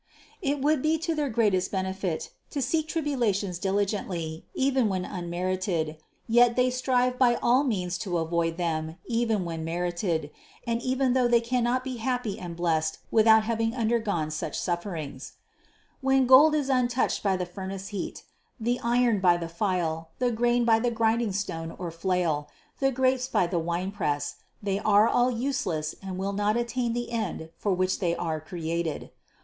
It would be to their greatest benefit to seek tribulations dili THE CONCEPTION 521 gently even when unmerited, yet they strive by all means to avoid them even when merited, and even though they cannot be happy and blessed without having undergone such sufferings. 674. When gold is untouched by the furnace heat, the iron by the file, the grain by the grinding stone or flail, the grapes by the winepress, they are all useless and will not attain the end for which they are created.